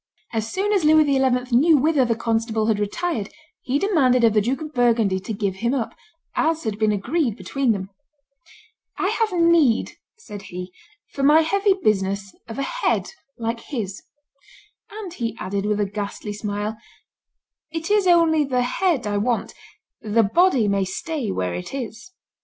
As soon as Louis XI. knew whither the constable had retired, he demanded of the Duke of Burgundy to give him up, as had been agreed between them. "I have need," said he, "for my heavy business, of a head like his;" and he added, with a ghastly smile, "it is only the head I want; the body may stay where it is."